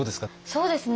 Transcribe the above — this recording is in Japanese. そうですね